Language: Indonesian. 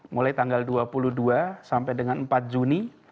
mulai tanggal dua puluh dua sampai dengan empat juni